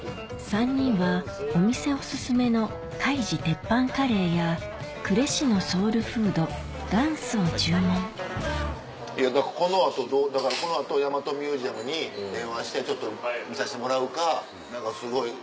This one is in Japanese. ３人はお店お薦めの海自テッパンカレーや呉市のソウルフードがんすを注文だからこの後大和ミュージアムに電話してちょっと見さしてもらうか。